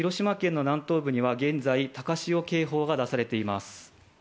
広島県の南東部には現在、高潮警報が出されています。